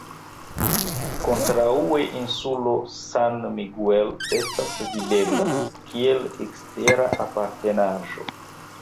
Kontraŭe insulo San Miguel estas videbla (kiel ekstera aparternaĵo).